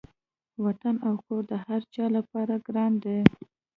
وطن او کور د هر چا لپاره ګران دی.